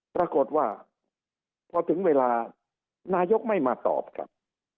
ปรากฏว่าพอถึงเวลานายกไม่มาตอบครับ